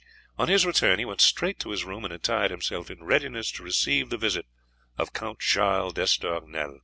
On his return he went straight to his room, and attired himself in readiness to receive the visit of Count Charles d'Estournel.